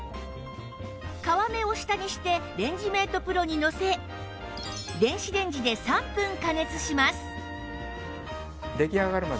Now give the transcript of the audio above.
皮目を下にしてレンジメート ＰＲＯ にのせ電子レンジで３分加熱します